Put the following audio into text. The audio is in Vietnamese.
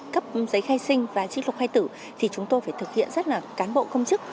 cấp giấy khai sinh và trích lục khai tử thì chúng tôi phải thực hiện rất là cán bộ công chức